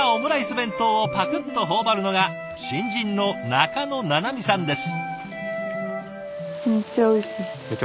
弁当をパクッと頬張るのが新人の仲野七海さんです。